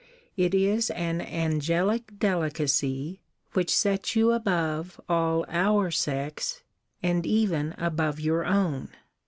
It is an angelic delicacy, which sets you above all our sex, and even above your own.